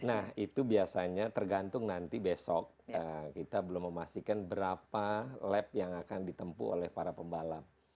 nah itu biasanya tergantung nanti besok kita belum memastikan berapa lab yang akan ditempu oleh para pembalap